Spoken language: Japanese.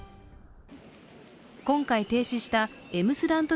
今回停止したエムスラント